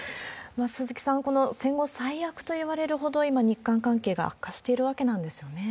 鈴木さん、戦後最悪といわれるほど、今、日韓関係が悪化しているわけなんですよね。